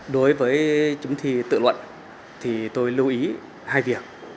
đối với chấm thi tự luận thì tôi lưu ý hai việc